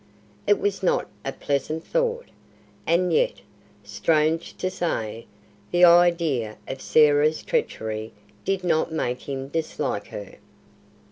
It was not a pleasant thought; and yet, strange to say, the idea of Sarah's treachery did not make him dislike her.